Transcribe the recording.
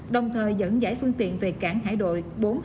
đồng thời dẫn giải phương tiện về cảng hải đội bốn trăm hai mươi một